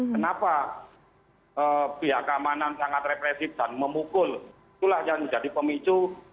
kenapa pihak keamanan sangat represif dan memukul itulah yang menjadi pemicu